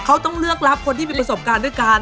เขาต้องเลือกรับคนที่มีประสบการณ์ด้วยกัน